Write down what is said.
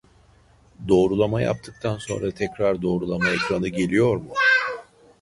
Doğrulama yaptıktan sonra tekrar doğrulama ekranı geliyor mu ?